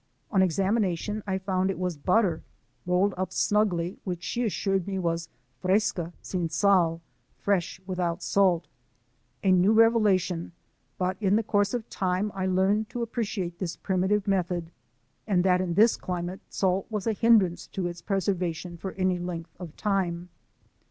On examination, I found it was butter rolled up snugly, v;hich she assured me was ''frcsoi sin sal '*—" fresh, without salt". A new reve lation, but in the course of time I learned to appreciate this primitive method, and that in this climate salt was a hindrance to its preserva tion for any length of time.